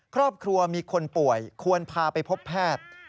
ครอบครัวมีคนป่วยควรพาไปพบแพทย์